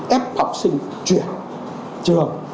ép học sinh chuyển trường